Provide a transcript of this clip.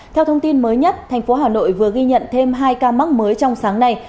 theo thông tin mới nhất thành phố hà nội vừa ghi nhận thêm hai ca mắc mới trong sáng nay